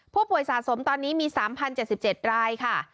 ผู้ป่วยสะสมตอนนี้มี๓๐๗๗รายค่ะ